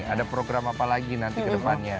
ada program apa lagi nanti kedepannya